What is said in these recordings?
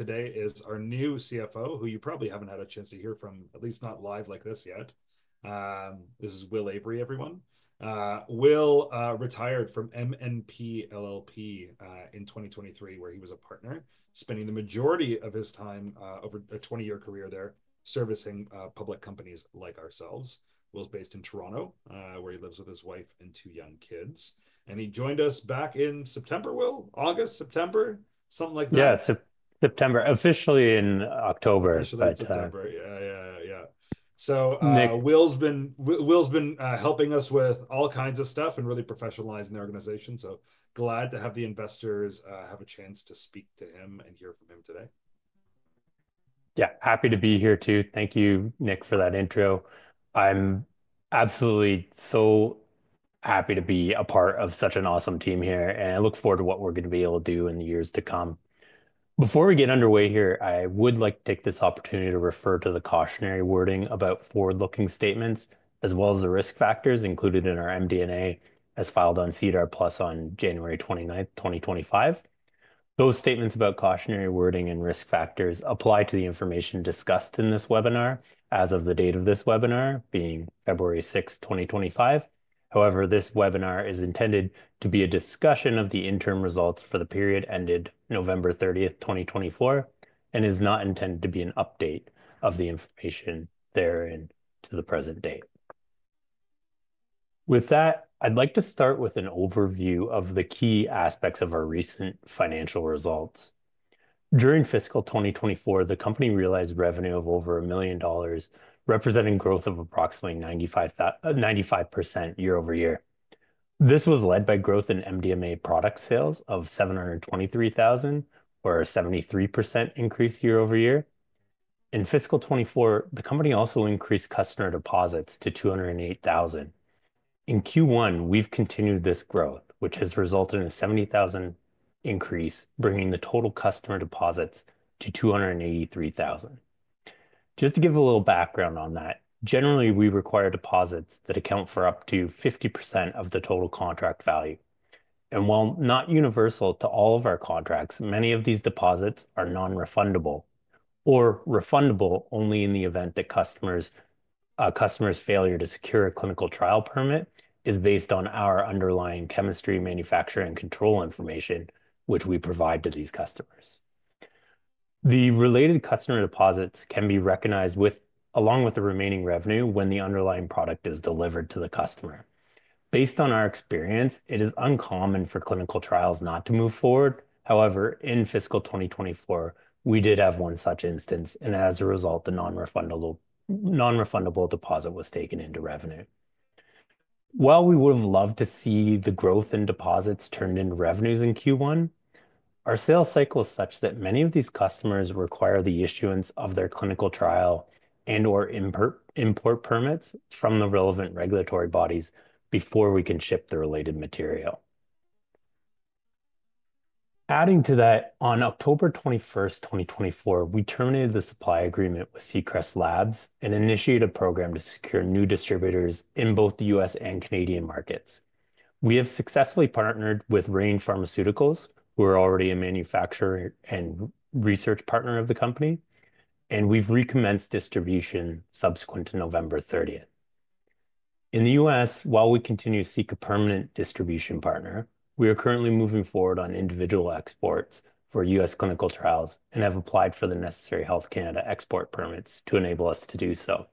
Today is our new CFO, who you probably haven't had a chance to hear from, at least not live like this yet. This is Will Avery, everyone. Will retired from MNP LLP in 2023, where he was a partner, spending the majority of his time over a 20-year career there servicing public companies like ourselves. Will's based in Toronto, where he lives with his wife and two young kids. He joined us back in September, Will? August, September? Something like that? Yeah, September. Officially in October. Officially in September. Yeah, yeah, yeah. Will's been helping us with all kinds of stuff and really professionalizing the organization. Glad to have the investors have a chance to speak to him and hear from him today. Yeah, happy to be here too. Thank you, Nick, for that intro. I'm absolutely so happy to be a part of such an awesome team here, and I look forward to what we're going to be able to do in the years to come. Before we get underway here, I would like to take this opportunity to refer to the cautionary wording about forward-looking statements, as well as the risk factors included in our MDMA as filed on SEDAR Plus on January 29, 2025. Those statements about cautionary wording and risk factors apply to the information discussed in this webinar as of the date of this webinar being February 6, 2025. However, this webinar is intended to be a discussion of the interim results for the period ended November 30, 2024, and is not intended to be an update of the information therein to the present date. With that, I'd like to start with an overview of the key aspects of our recent financial results. During fiscal 2024, the company realized revenue of over 1 million dollars, representing growth of approximately 95% year-over-year. This was led by growth in MDMA product sales of 723,000, or a 73% increase year-over-year. In fiscal 2024, the company also increased customer deposits to 208,000. In Q1, we've continued this growth, which has resulted in a 70,000 increase, bringing the total customer deposits to 283,000. Just to give a little background on that, generally, we require deposits that account for up to 50% of the total contract value. While not universal to all of our contracts, many of these deposits are non-refundable, or refundable only in the event that customers' failure to secure a clinical trial permit is based on our underlying chemistry, manufacturing, and control information, which we provide to these customers. The related customer deposits can be recognized along with the remaining revenue when the underlying product is delivered to the customer. Based on our experience, it is uncommon for clinical trials not to move forward. However, in fiscal 2024, we did have one such instance, and as a result, the non-refundable deposit was taken into revenue. While we would have loved to see the growth in deposits turned into revenues in Q1, our sales cycle is such that many of these customers require the issuance of their clinical trial and/or import permits from the relevant regulatory bodies before we can ship the related material. Adding to that, on October 21, 2024, we terminated the supply agreement with CCrest Labs and initiated a program to secure new distributors in both the U.S. and Canadian markets. We have successfully partnered with Rane Pharmaceuticals, who are already a manufacturer and research partner of the company, and we've recommenced distribution subsequent to November 30. In the U.S., while we continue to seek a permanent distribution partner, we are currently moving forward on individual exports for U.S. clinical trials and have applied for the necessary Health Canada export permits to enable us to do so.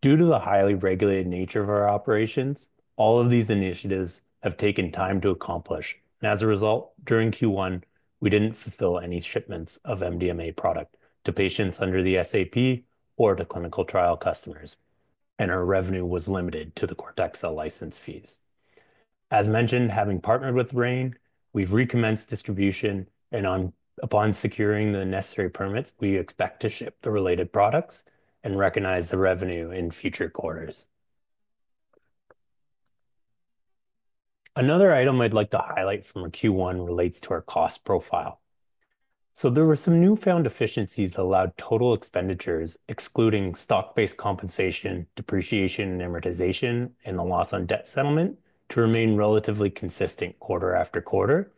Due to the highly regulated nature of our operations, all of these initiatives have taken time to accomplish, and as a result, during Q1, we didn't fulfill any shipments of MDMA product to patients under the SAP or to clinical trial customers, and our revenue was limited to the Cortexa license fees. As mentioned, having partnered with Rain, we've recommenced distribution, and upon securing the necessary permits, we expect to ship the related products and recognize the revenue in future quarters. Another item I'd like to highlight from Q1 relates to our cost profile. There were some newfound efficiencies that allowed total expenditures, excluding stock-based compensation, depreciation, and amortization, and the loss on debt settlement, to remain relatively consistent quarter after quarter,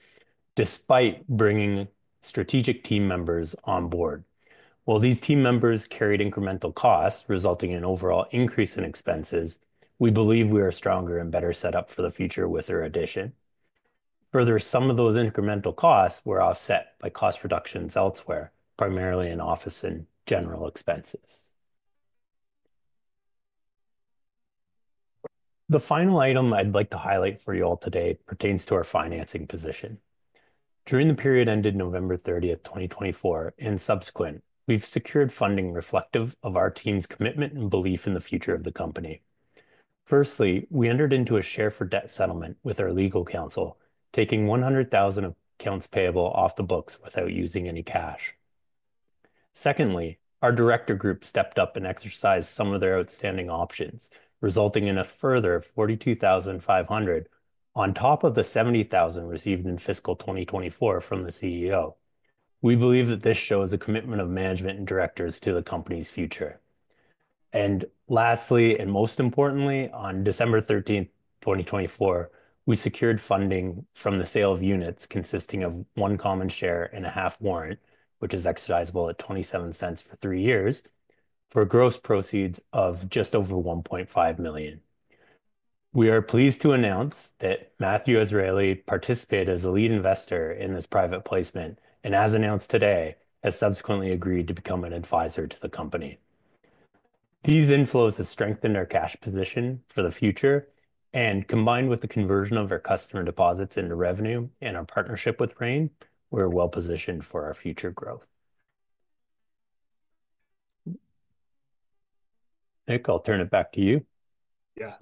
despite bringing strategic team members on board. While these team members carried incremental costs resulting in an overall increase in expenses, we believe we are stronger and better set up for the future with their addition. Further, some of those incremental costs were offset by cost reductions elsewhere, primarily in office and general expenses. The final item I'd like to highlight for you all today pertains to our financing position. During the period ended November 30, 2024, and subsequent, we've secured funding reflective of our team's commitment and belief in the future of the company. Firstly, we entered into a share for debt settlement with our legal counsel, taking 100,000 accounts payable off the books without using any cash. Secondly, our director group stepped up and exercised some of their outstanding options, resulting in a further 42,500 on top of the 70,000 received in fiscal 2024 from the CEO. We believe that this shows a commitment of management and directors to the company's future. Lastly, and most importantly, on December 13, 2024, we secured funding from the sale of units consisting of one common share and a half warrant, which is exercisable at 0.27 for three years, for gross proceeds of just over 1.5 million. We are pleased to announce that Matthew Azrieli participated as a lead investor in this private placement and, as announced today, has subsequently agreed to become an advisor to the company. These inflows have strengthened our cash position for the future, and combined with the conversion of our customer deposits into revenue and our partnership with Rain, we're well positioned for our future growth. Nick, I'll turn it back to you. Yeah.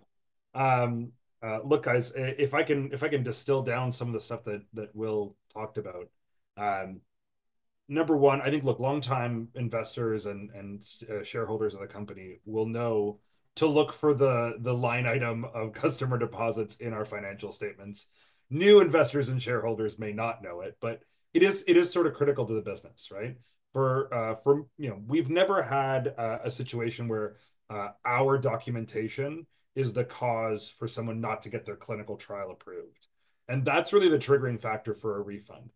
Look, guys, if I can distill down some of the stuff that Will talked about, number one, I think, look, long-time investors and shareholders of the company will know to look for the line item of customer deposits in our financial statements. New investors and shareholders may not know it, but it is sort of critical to the business, right? We've never had a situation where our documentation is the cause for someone not to get their clinical trial approved. That's really the triggering factor for a refund.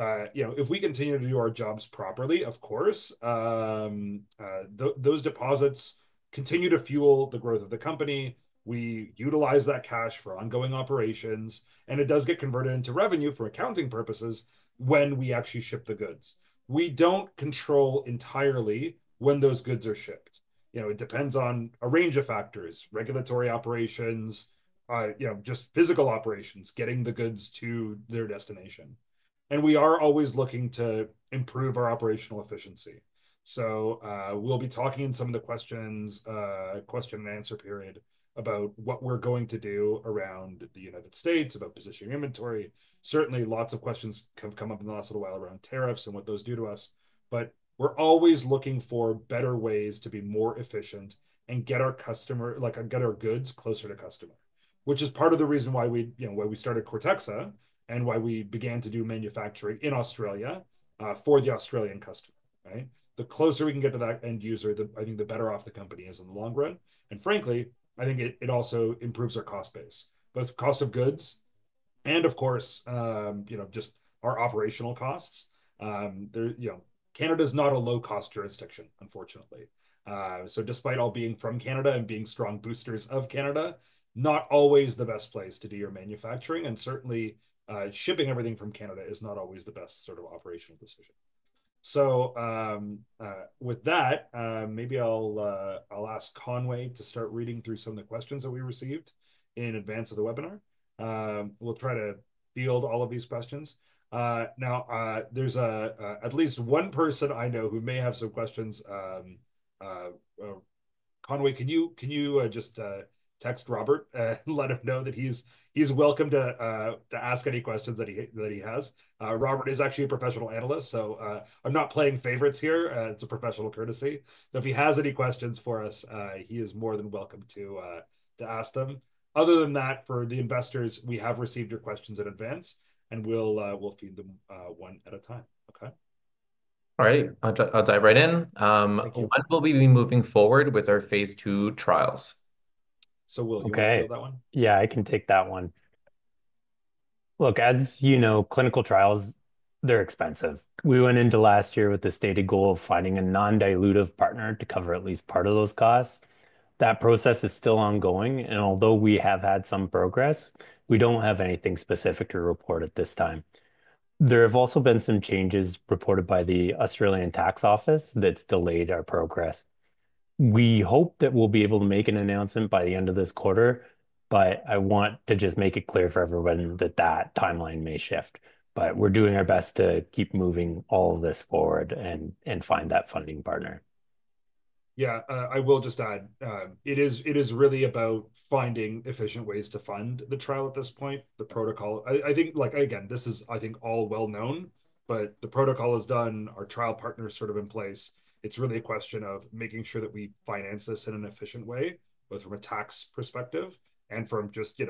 If we continue to do our jobs properly, of course, those deposits continue to fuel the growth of the company. We utilize that cash for ongoing operations, and it does get converted into revenue for accounting purposes when we actually ship the goods. We don't control entirely when those goods are shipped. It depends on a range of factors: regulatory operations, just physical operations, getting the goods to their destination. We are always looking to improve our operational efficiency. We will be talking in some of the question and answer period about what we are going to do around the United States, about positioning inventory. Certainly, lots of questions have come up in the last little while around tariffs and what those do to us. We are always looking for better ways to be more efficient and get our goods closer to customer, which is part of the reason why we started Cortex Labs and why we began to do manufacturing in Australia for the Australian customer, right? The closer we can get to that end user, I think the better off the company is in the long run. Frankly, I think it also improves our cost base, both cost of goods and, of course, just our operational costs. Canada is not a low-cost jurisdiction, unfortunately. Despite all being from Canada and being strong boosters of Canada, it is not always the best place to do your manufacturing, and certainly shipping everything from Canada is not always the best sort of operational decision. With that, maybe I'll ask Conway to start reading through some of the questions that we received in advance of the webinar. We'll try to field all of these questions. Now, there is at least one person I know who may have some questions. Conway, can you just text Robert and let him know that he's welcome to ask any questions that he has? Robert is actually a professional analyst, so I'm not playing favorites here. It's a professional courtesy. If he has any questions for us, he is more than welcome to ask them. Other than that, for the investors, we have received your questions in advance, and we'll feed them one at a time, okay? All right. I'll dive right in. When will we be moving forward with our Phase 2 trials? Will, you want to go that one? Okay. Yeah, I can take that one. Look, as you know, clinical trials, they're expensive. We went into last year with the stated goal of finding a non-dilutive partner to cover at least part of those costs. That process is still ongoing, and although we have had some progress, we do not have anything specific to report at this time. There have also been some changes reported by the Australian Tax Office that have delayed our progress. We hope that we will be able to make an announcement by the end of this quarter. I want to just make it clear for everyone that that timeline may shift. We are doing our best to keep moving all of this forward and find that funding partner. Yeah, I will just add, it is really about finding efficient ways to fund the trial at this point, the protocol. I think, again, this is, I think, all well known, but the protocol is done, our trial partner is sort of in place. It's really a question of making sure that we finance this in an efficient way, both from a tax perspective and from just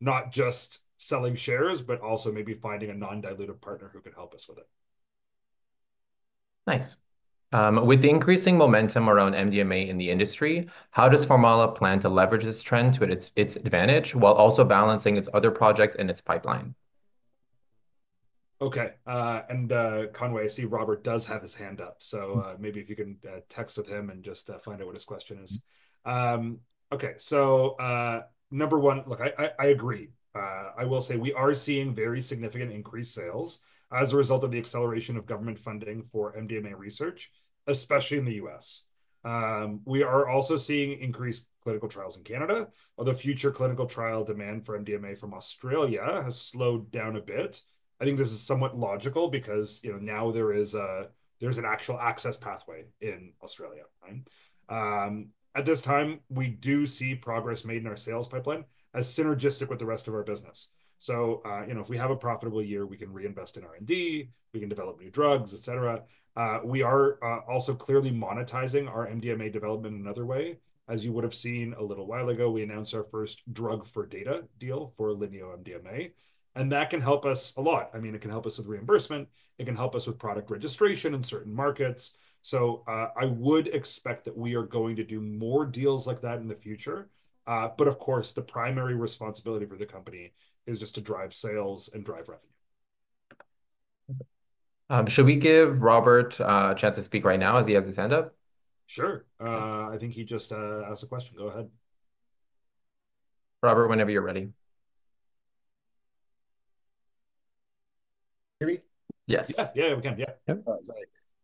not just selling shares, but also maybe finding a non-dilutive partner who can help us with it. Thanks. With the increasing momentum around MDMA in the industry, how does PharmAla plan to leverage this trend to its advantage while also balancing its other projects in its pipeline? Okay. Conway, I see Robert does have his hand up, so maybe if you can text with him and just find out what his question is. Okay. Number one, look, I agree. I will say we are seeing very significant increased sales as a result of the acceleration of government funding for MDMA research, especially in the U.S. We are also seeing increased clinical trials in Canada, although future clinical trial demand for MDMA from Australia has slowed down a bit. I think this is somewhat logical because now there is an actual access pathway in Australia, right? At this time, we do see progress made in our sales pipeline as synergistic with the rest of our business. If we have a profitable year, we can reinvest in R&D, we can develop new drugs, et cetera. We are also clearly monetizing our MDMA development in another way. As you would have seen a little while ago, we announced our first drug-for-data deal for LaNeo MDMA, and that can help us a lot. I mean, it can help us with reimbursement, it can help us with product registration in certain markets. I would expect that we are going to do more deals like that in the future. Of course, the primary responsibility for the company is just to drive sales and drive revenue. Should we give Robert a chance to speak right now as he has his hand up? Sure. I think he just asked a question. Go ahead. Robert, whenever you're ready. Hear me? Yes. Yeah, yeah, we can. Yeah.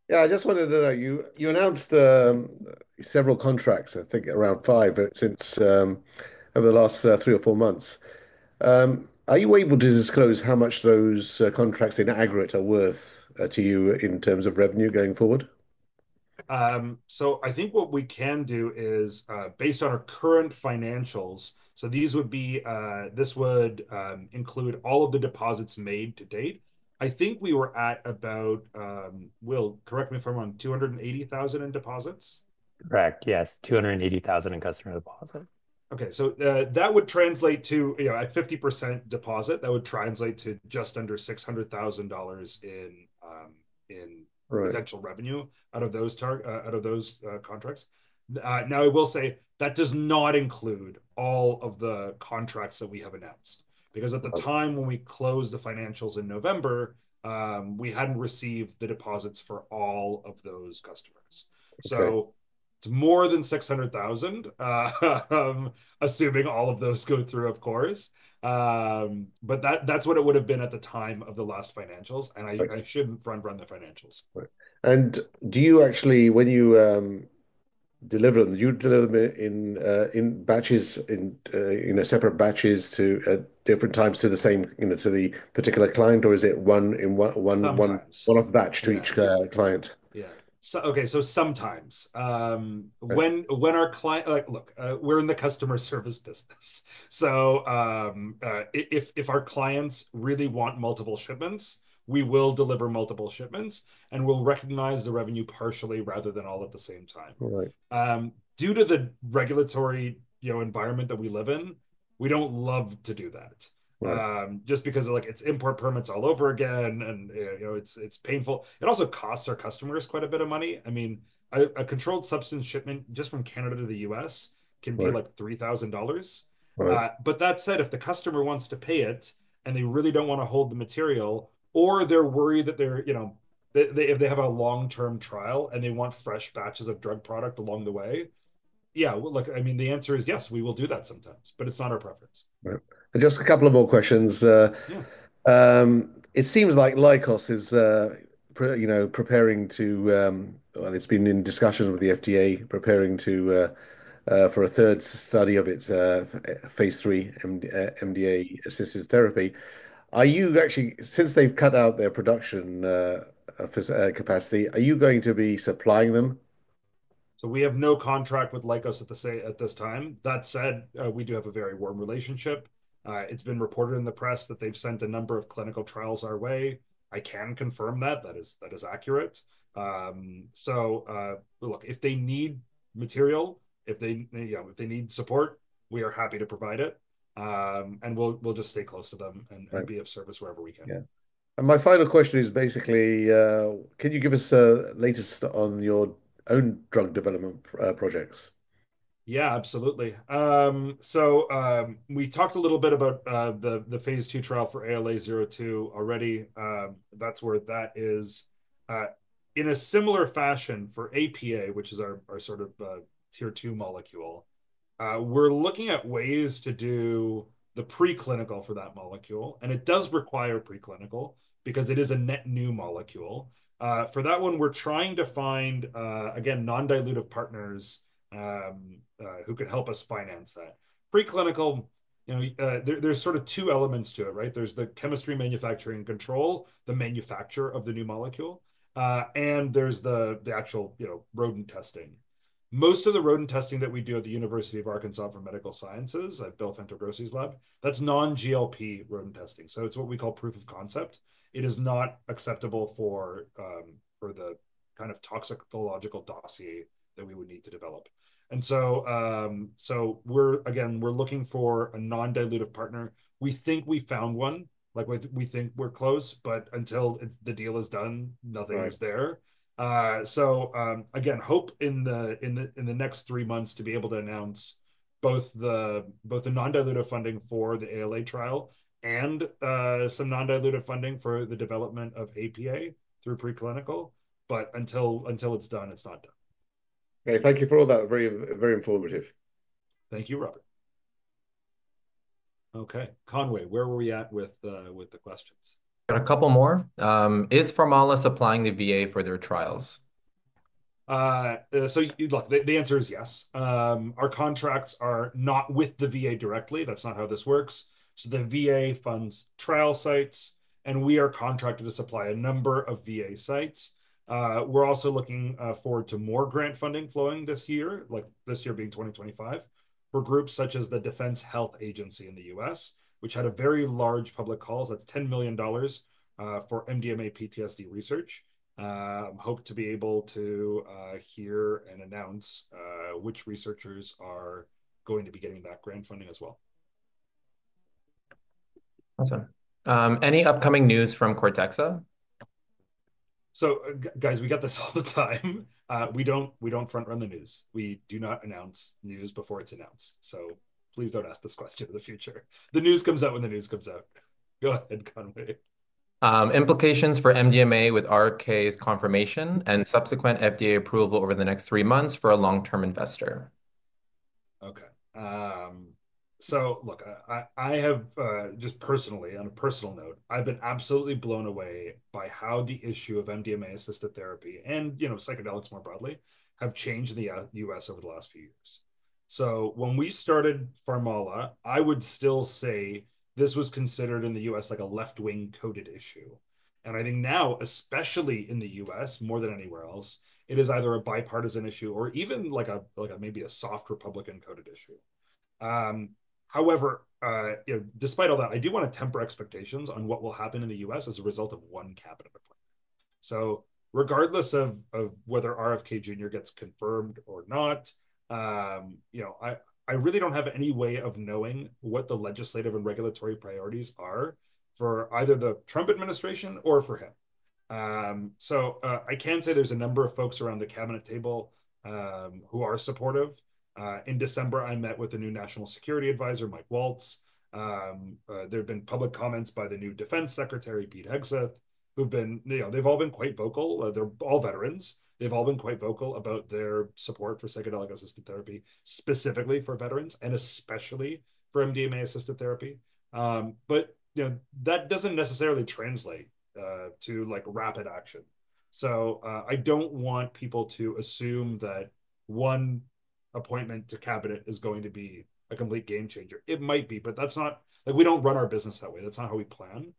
Yeah, I just wanted to know, you announced several contracts, I think around five, but since over the last three or four months. Are you able to disclose how much those contracts in aggregate are worth to you in terms of revenue going forward? I think what we can do is, based on our current financials, so these would include all of the deposits made to date. I think we were at about, Will, correct me if I'm wrong, 280,000 in deposits? Correct. Yes, 280,000 in customer deposits. Okay. That would translate to a 50% deposit. That would translate to just under 600,000 dollars in potential revenue out of those contracts. Now, I will say that does not include all of the contracts that we have announced because at the time when we closed the financials in November, we had not received the deposits for all of those customers. It is more than 600,000, assuming all of those go through, of course. That is what it would have been at the time of the last financials, and I should not front-run the financials. Do you actually, when you deliver them, do you deliver them in batches, in separate batches at different times to the particular client, or is it one batch to each client? Yeah. Okay. Sometimes when our client—look, we're in the customer service business. If our clients really want multiple shipments, we will deliver multiple shipments, and we'll recognize the revenue partially rather than all at the same time. Due to the regulatory environment that we live in, we don't love to do that just because it's import permits all over again, and it's painful. It also costs our customers quite a bit of money. I mean, a controlled substance shipment just from Canada to the U.S. can be like $3,000. That said, if the customer wants to pay it and they really do not want to hold the material, or they are worried that if they have a long-term trial and they want fresh batches of drug product along the way, yeah, look, I mean, the answer is yes, we will do that sometimes, but it is not our preference. Right. Just a couple of more questions. It seems like Lykos is preparing to, and it's been in discussion with the FDA, preparing for a third study of its Phase 3 MDMA-assisted therapy. Are you actually, since they've cut out their production capacity, are you going to be supplying them? We have no contract with Lykos at this time. That said, we do have a very warm relationship. It's been reported in the press that they've sent a number of clinical trials our way. I can confirm that. That is accurate. Look, if they need material, if they need support, we are happy to provide it, and we'll just stay close to them and be of service wherever we can. Yeah. My final question is basically, can you give us a latest on your own drug development projects? Yeah, absolutely. We talked a little bit about the Phase 2 trial for ALA02 already. That's where that is. In a similar fashion for APA, which is our sort of tier two molecule, we're looking at ways to do the preclinical for that molecule, and it does require preclinical because it is a net new molecule. For that one, we're trying to find, again, non-dilutive partners who could help us finance that. Preclinical, there's sort of two elements to it, right? There's the chemistry, manufacturing, and control, the manufacturer of the new molecule, and there's the actual rodent testing. Most of the rodent testing that we do at the University of Arkansas for Medical Sciences at Bill Fantegrossi's lab, that's non-GLP rodent testing. It's what we call proof of concept. It is not acceptable for the kind of toxicological dossier that we would need to develop. Again, we're looking for a non-dilutive partner. We think we found one. We think we're close, but until the deal is done, nothing is there. Again, hope in the next three months to be able to announce both the non-dilutive funding for the ALA trial and some non-dilutive funding for the development of APA through preclinical, but until it's done, it's not done. Okay. Thank you for all that. Very informative. Thank you, Robert. Okay. Conway, where were we at with the questions? A couple more. Is PharmAla supplying the VA for their trials? Look, the answer is yes. Our contracts are not with the VA directly. That's not how this works. The VA funds trial sites, and we are contracted to supply a number of VA sites. We're also looking forward to more grant funding flowing this year, this year being 2025, for groups such as the Defense Health Agency in the U.S., which had a very large public call. That's $10 million for MDMA PTSD research. I hope to be able to hear and announce which researchers are going to be getting that grant funding as well. Awesome. Any upcoming news from Cortexa? Guys, we get this all the time. We do not front-run the news. We do not announce news before it is announced. Please do not ask this question in the future. The news comes out when the news comes out. Go ahead, Conway. Implications for MDMA with RFK's confirmation and subsequent FDA approval over the next three months for a long-term investor. Okay. Look, I have just personally, on a personal note, I've been absolutely blown away by how the issue of MDMA-assisted therapy and psychedelics more broadly have changed in the U.S. over the last few years. When we started PharmAla, I would still say this was considered in the U.S. like a left-wing coded issue. I think now, especially in the U.S., more than anywhere else, it is either a bipartisan issue or even maybe a soft Republican coded issue. However, despite all that, I do want to temper expectations on what will happen in the U.S. as a result of one cabinet appointment. Regardless of whether RFK Jr. gets confirmed or not, I really don't have any way of knowing what the legislative and regulatory priorities are for either the Trump administration or for him. I can say there's a number of folks around the cabinet table who are supportive. In December, I met with the new National Security Advisor, Mike Waltz. There have been public comments by the new Defense Secretary, Pete Hegseth, who have all been quite vocal. They're all veterans. They've all been quite vocal about their support for psychedelic-assisted therapy, specifically for veterans and especially for MDMA-assisted therapy. That doesn't necessarily translate to rapid action. I don't want people to assume that one appointment to cabinet is going to be a complete game changer. It might be, but we don't run our business that way. That's not how we plan.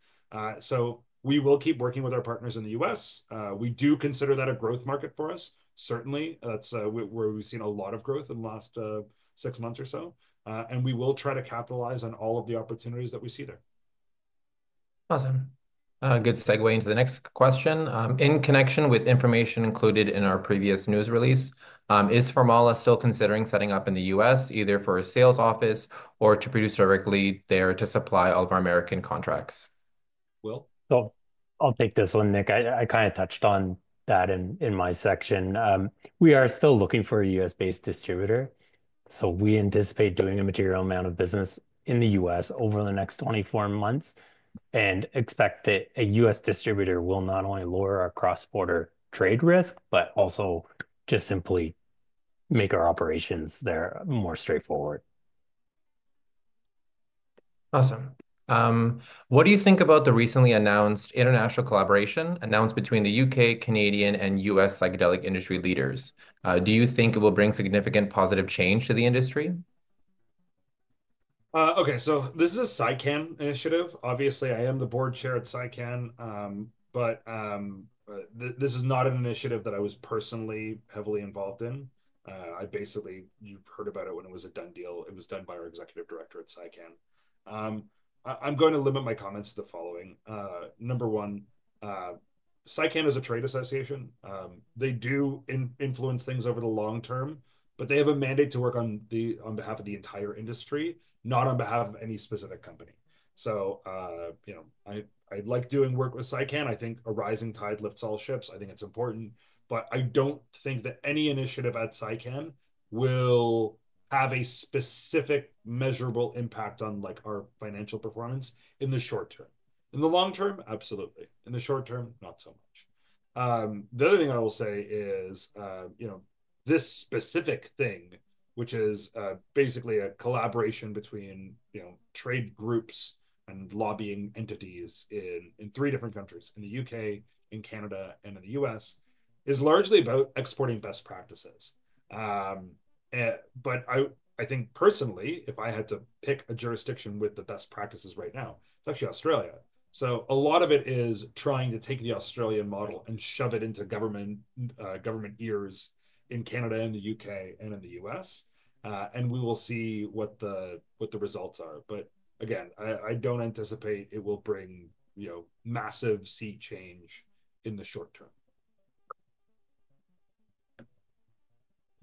We will keep working with our partners in the U.S. We do consider that a growth market for us. Certainly, that's where we've seen a lot of growth in the last six months or so. We will try to capitalize on all of the opportunities that we see there. Awesome. Good segue into the next question. In connection with information included in our previous news release, is PharmAla still considering setting up in the U.S., either for a sales office or to produce directly there to supply all of our American contracts? Will? I'll take this one, Nick. I kind of touched on that in my section. We are still looking for a U.S.-based distributor. We anticipate doing a material amount of business in the U.S. over the next 24 months and expect that a U.S. distributor will not only lower our cross-border trade risk, but also just simply make our operations there more straightforward. Awesome. What do you think about the recently announced international collaboration announced between the U.K., Canadian, and U.S. psychedelic industry leaders? Do you think it will bring significant positive change to the industry? Okay. This is a PsyCan initiative. Obviously, I am the board chair at PsyCan, but this is not an initiative that I was personally heavily involved in. Basically, you heard about it when it was a done deal. It was done by our executive director at PsyCan. I am going to limit my comments to the following. Number one, PsyCan is a trade association. They do influence things over the long term, but they have a mandate to work on behalf of the entire industry, not on behalf of any specific company. I like doing work with PsyCan. I think a rising tide lifts all ships. I think it is important. I do not think that any initiative at PsyCan will have a specific measurable impact on our financial performance in the short term. In the long term, absolutely. In the short term, not so much. The other thing I will say is this specific thing, which is basically a collaboration between trade groups and lobbying entities in three different countries, in the U.K., in Canada, and in the U.S., is largely about exporting best practices. I think personally, if I had to pick a jurisdiction with the best practices right now, it's actually Australia. A lot of it is trying to take the Australian model and shove it into government ears in Canada, in the U.K., and in the U.S. We will see what the results are. I don't anticipate it will bring massive sea change in the short term.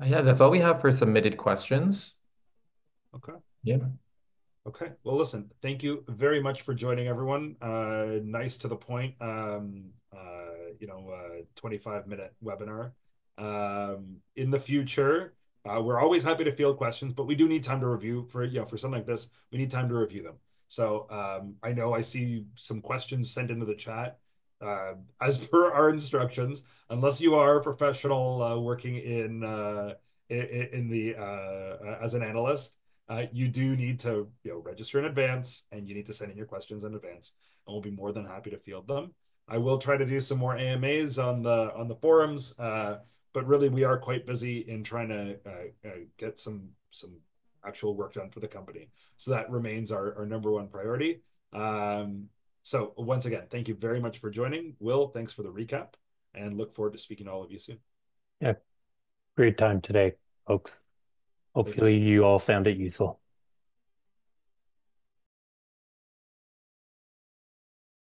Yeah, that's all we have for submitted questions. Okay. Yeah. Okay. Listen, thank you very much for joining, everyone. Nice to the point, 25-minute webinar. In the future, we're always happy to field questions, but we do need time to review. For something like this, we need time to review them. I know I see some questions sent into the chat. As per our instructions, unless you are a professional working as an analyst, you do need to register in advance, and you need to send in your questions in advance, and we'll be more than happy to field them. I will try to do some more AMAs on the forums, but really, we are quite busy in trying to get some actual work done for the company. That remains our number one priority. Once again, thank you very much for joining. Will, thanks for the recap, and look forward to speaking to all of you soon. Yeah. Great time today, folks. Hopefully, you all found it useful.